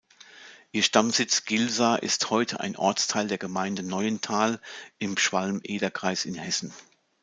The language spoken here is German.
Ihr Stammsitz Gilsa ist heute ein Ortsteil der Gemeinde Neuental im Schwalm-Eder-Kreis in Hessen.